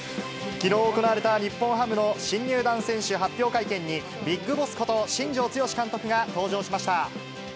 きのう行われた日本ハムの新入団選手発表会見に、ビッグボスこと新庄剛志監督が登場しました。